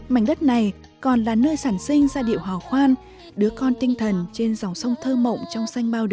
mảnh đất này còn là nơi sản sinh ra điệu hò khoan đứa con tinh thần trên dòng sông thơ mộng trong xanh bao đời